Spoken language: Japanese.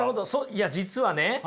いや実はね